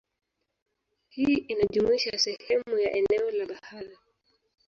Hii inajumuisha sehemu ya eneo la bahari